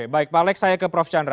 baik pak alex saya ke prof chandra